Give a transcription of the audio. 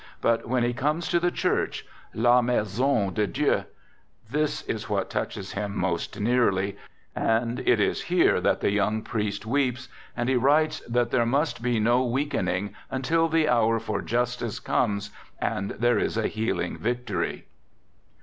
But when he comes to the church —" la maison de Dieu "— this is what touches him most nearly, and it is here that the young priest weeps, and he writes that there must be no weakening until the hour for justice comes, and there is a " healing victory."